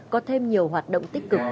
có thêm nhiều hoạt động tích cực